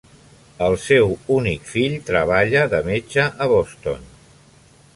El seu únic fill treballa de metge a Boston.